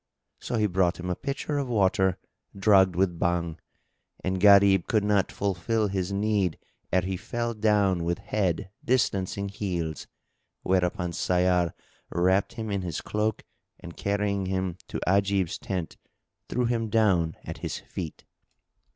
So he brought him a pitcher of water, drugged with Bhang, and Gharib could not fulfill his need ere he fell down with head distancing heels, whereupon Sayyar wrapped him in his cloak and carrying him to Ajib's tent, threw him down at his feet.